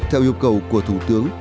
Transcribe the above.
theo yêu cầu của thủ tướng